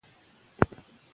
اسلام د جهل مخنیوی کوي.